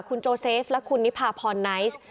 คุณโจเซฟและคุณนิพาพรไนท์